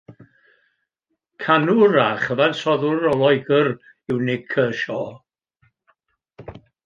Canwr a chyfansoddwr o Loegr yw Nik Kershaw.